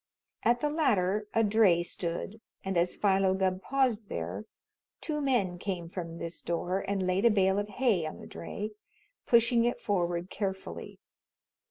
At the latter a dray stood, and as Philo Gubb paused there, two men came from this door and laid a bale of hay on the dray, pushing it forward carefully.